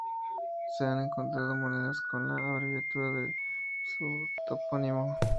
Se han encontrado monedas con la abreviatura de su topónimo.